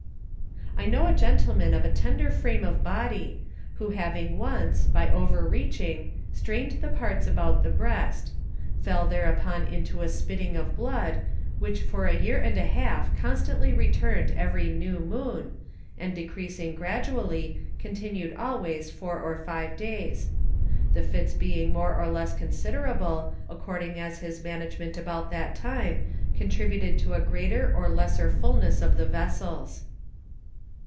I know a Gentleman of a tender frame of Body, who having once, by over reaching, strained the parts about the Breast; fell thereupon into a spitting of Blood, which for a Year and half constantly return'd every New Moon, and decreasing gradually, continued always 4 or 5 days. The Fits being more or less considerable, according as his management about that time, contributed to a greater or lesser fullness of the Vessels.